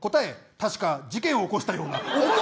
確か事件を起こしたような。